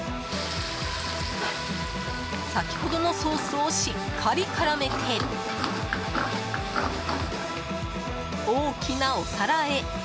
先ほどのソースをしっかり絡めて大きなお皿へ。